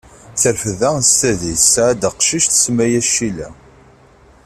Terfed daɣen s tadist, tesɛad aqcic, tsemma-as Cila.